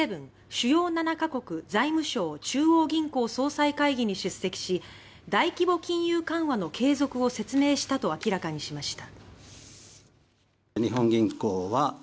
・主要７か国財務相・中央銀行総裁会議に出席し、大規模金融緩和の継続を説明したと明らかにしました。